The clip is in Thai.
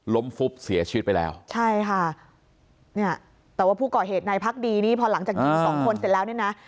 ฟุบเสียชีวิตไปแล้วใช่ค่ะเนี่ยแต่ว่าผู้ก่อเหตุนายพักดีนี่พอหลังจากยิงสองคนเสร็จแล้วเนี่ยนะ